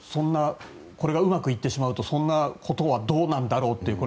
これがうまくいってしまうとそんなことはどうなんだろうって